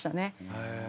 へえ。